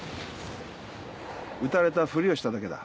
撃たれたふりをしただけだ。